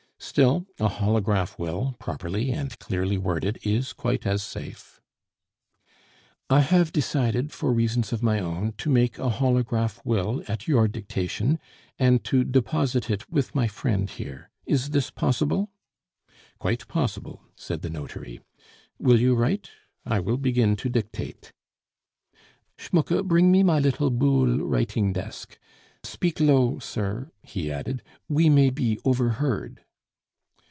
Still, a holograph will, properly and clearly worded, is quite as safe." "I have decided, for reasons of my own, to make a holograph will at your dictation, and to deposit it with my friend here. Is this possible?" "Quite possible," said the notary. "Will you write? I will begin to dictate " "Schmucke, bring me my little Boule writing desk. Speak low, sir," he added; "we may be overheard."